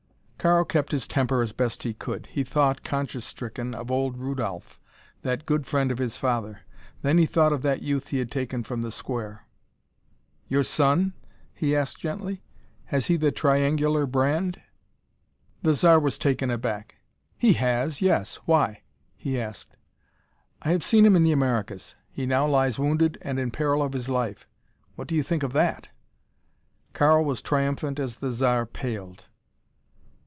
Karl kept his temper as best he could. He thought, conscience stricken, of old Rudolph, that good friend of his father. Then he thought of that youth he had taken from the Square. "Your son?" he asked gently. "Has he the triangular brand?" The Zar was taken aback. "He has, yes. Why?" he asked. "I have seen him in the Americas. He now lies wounded and in peril of his life. What do you think of that?" Karl was triumphant as the Zar paled.